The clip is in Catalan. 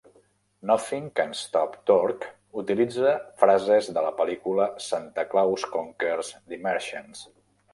"Nothing Can Stop Torg" utilitza frases de la pel·lícula 'Santa Claus Conquers the Martians'.